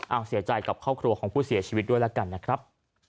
เอาเสียใจกับครอบครัวของผู้เสียชีวิตด้วยแล้วกันนะครับ